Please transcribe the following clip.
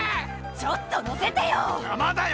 ちょっと乗せてよ！